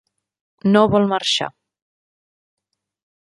No vol marxar.